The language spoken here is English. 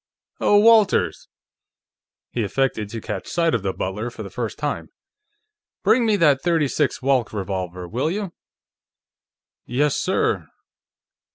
Oh, Walters!" He affected to catch sight of the butler for the first time. "Bring me that .36 Walch revolver, will you?" "Yes, sir."